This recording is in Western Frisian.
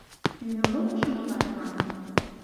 Myn horloazje moat nei de makker.